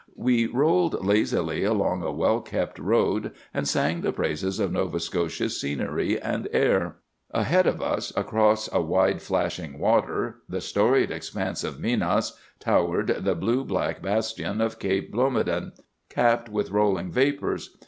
We rolled lazily along a well kept road, and sang the praises of Nova Scotia's scenery and air. "Ahead of us, across a wide, flashing water, the storied expanse of Minas, towered the blue black bastion of Cape Blomidon, capped with rolling vapors.